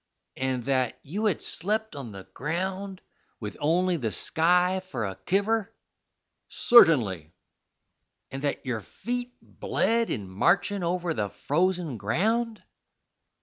"And that you had slept on the ground with only the sky for a kiver?" "Certainly." "And that your feet bled in marching over the frozen ground?"